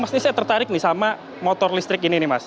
mas ini saya tertarik nih sama motor listrik ini nih mas